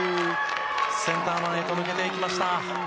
センター前へと抜けていきました。